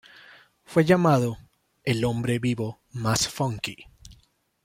Fue llamado "el hombre vivo más funky".